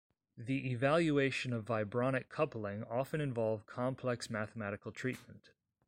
The evaluation of vibronic coupling often involve complex mathematical treatment.